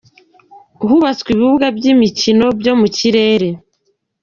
Hubatseyo ibibuga by’imikino byo mu kirere.